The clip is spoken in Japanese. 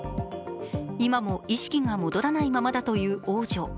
今も意識が戻らないままだという王女。